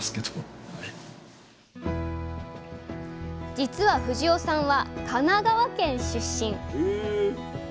実は藤尾さんは神奈川県出身。